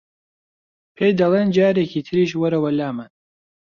پێی دەڵێن جارێکی تریش وەرەوە لامان